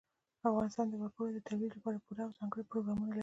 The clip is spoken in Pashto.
افغانستان د وګړي د ترویج لپاره پوره او ځانګړي پروګرامونه لري.